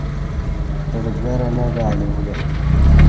بڈگرہ نہ گالی بولے